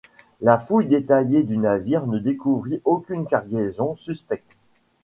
La fouille détaillée du navire ne découvrit aucune cargaison suspecte.